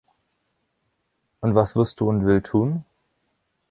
Und was wirst du und Will tun?